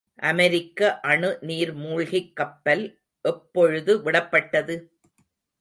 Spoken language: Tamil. அமெரிக்க அணு நீர்மூழ்கிக் கப்பல் எப்பொழுது விடப்பட்டது?